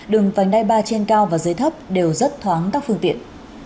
đường vành đai ba trên cao và dưới thấp đều rất thoáng các phương tiện